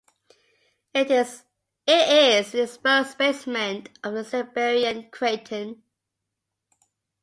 It is an exposed basement of the Siberian Craton.